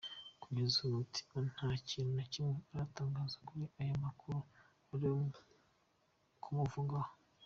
Kugeza ubu Mutiima nta kintu na kimwe aratangaza kuri aya makuru arimo kumuvugwaho.